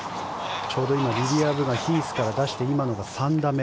ちょうど今リリア・ブがヒースから出して今のが３打目。